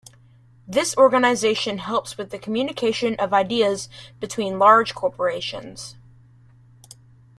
This organization helps with the communication of ideas between large corporations.